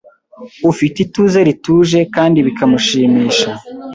ufite ituze rituje kandi bikamushimisha